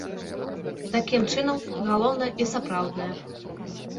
Такім чынам, галоўнае і сапраўднае.